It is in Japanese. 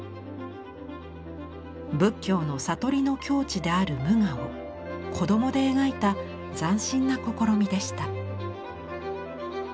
仏教の悟りの境地である「無我」を子供で描いた斬新な試みでした。